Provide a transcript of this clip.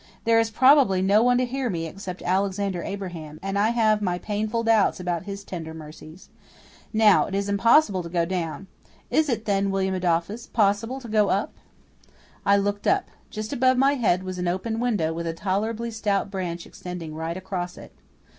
"There is probably no one to hear me except Alexander Abraham, and I have my painful doubts about his tender mercies. Now, it is impossible to go down. Is it, then, William Adolphus, possible to go up?" I looked up. Just above my head was an open window with a tolerably stout branch extending right across it.